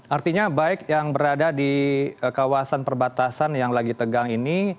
artinya baik yang berada di kawasan perbatasan yang lagi tegang ini